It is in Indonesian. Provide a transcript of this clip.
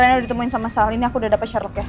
rina ditemuin sama sal ini aku udah dapet share log ya